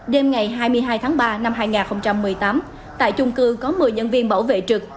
đêm ngày hai mươi hai tháng ba năm hai nghìn một mươi tám tại chung cư có một mươi nhân viên bảo vệ trực